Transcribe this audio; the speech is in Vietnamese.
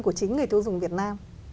của chính người tiêu dùng việt nam